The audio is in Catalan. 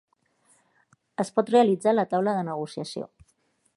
Es pot realitzar la taula de negociació